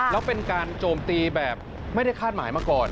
แล้วเป็นการโจมตีแบบไม่ได้คาดหมายมาก่อน